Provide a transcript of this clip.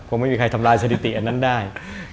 คงไม่มีใครทำลายสถิติอันนั้นได้